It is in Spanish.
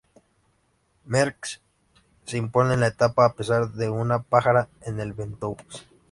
Merckx se impone en la etapa a pesar de una pájara en el Ventoux.